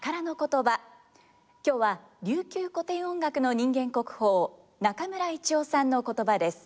今日は琉球古典音楽の人間国宝中村一雄さんのことばです。